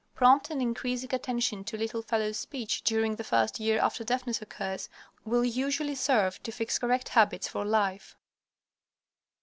Prompt and increasing attention to the little fellow's speech during the first year after deafness occurs will usually serve to fix correct habits for life.